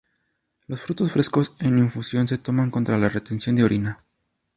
Los frutos frescos en infusión se toman contra la retención de orina.